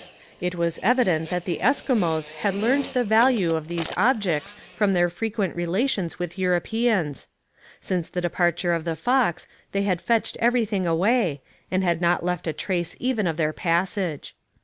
It was evident that the Esquimaux had learnt the value of these objects from their frequent relations with Europeans; since the departure of the Fox they had fetched everything away, and had not left a trace even of their passage.